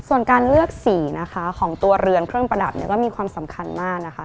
ส่วนการเลือกสีนะคะของตัวเรือนเครื่องประดับเนี่ยก็มีความสำคัญมากนะคะ